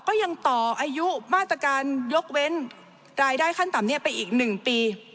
ก็ยังต่ออายุมาตรการยกเว้นรายได้ขั้นต่ำนี้ไปอีก๑ปี